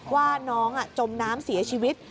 ว่าน้องจมน้ำเสียชีวิต